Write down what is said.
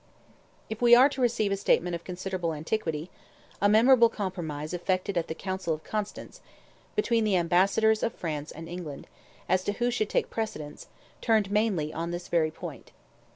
If we are to receive a statement of considerable antiquity, a memorable compromise effected at the Council of Constance, between the ambassadors of France and England, as to who should take precedence, turned mainly on this very point.